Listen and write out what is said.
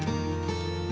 aku mau ke rumah